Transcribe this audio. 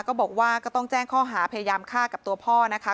ก็ต้องบอกว่าก็ต้องแจ้งข้อหาพยายามฆ่ากับตัวพ่อนะคะ